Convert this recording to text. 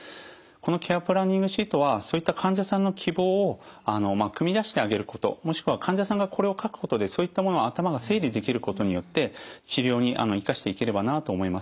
このケア・プランニングシートはそういった患者さんの希望をくみ出してあげることもしくは患者さんがこれを書くことでそういったものを頭が整理できることによって治療に生かしていければなと思います。